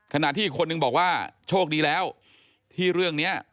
ขณะที่อีกคนนึงบอกว่าโชคดีแล้วที่เรื่องนี้